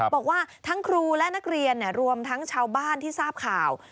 บอกว่าทั้งครูและนักเรียนรวมทั้งชาวบ้านที่ทราบข่าว